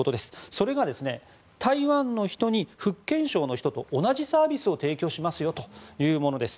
それが台湾の人に福建省の人と同じサービスを提供しますよというものです。